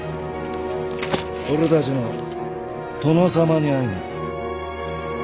俺たちの殿様に会いに。